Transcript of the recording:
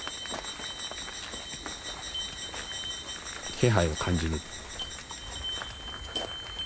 気配を感じる。